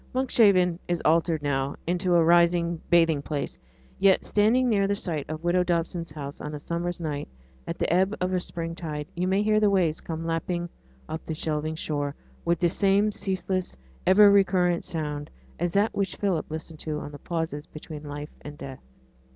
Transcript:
Monkshaven is altered now into a rising bathing place. Yet, standing near the site of widow Dobson's house on a summer's night, at the ebb of a spring tide, you may hear the waves come lapping up the shelving shore with the same ceaseless, ever recurrent sound as that which Philip listened to in the pauses between life and death.